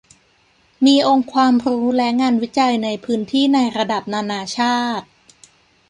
มีองค์ความรู้และงานวิจัยในพื้นที่ในระดับนานาชาติ